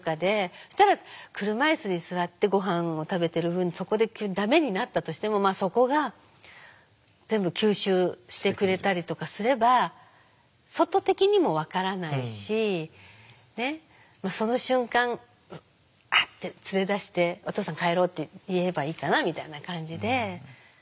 そしたら車椅子に座ってごはんを食べてる分そこでダメになったとしてもそこが全部吸収してくれたりとかすれば外的にも分からないしその瞬間「あっ」て連れ出して「お父さん帰ろう」って言えばいいかなみたいな感じで。